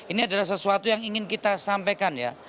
ini adalah sesuatu yang ingin kita sampaikan ya